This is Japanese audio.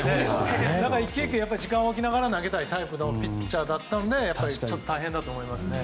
だから１球１球時間をかけながら投げたいピッチャーだったのでちょっと大変だと思いますね。